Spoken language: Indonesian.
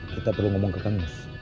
kita perlu ngomong ke kamus